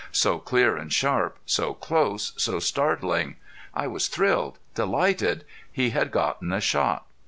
So clear and sharp, so close, so startling! I was thrilled, delighted he had gotten a shot.